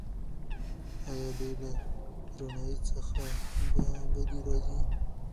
ایا دوی له رڼایي څخه بدې راځي؟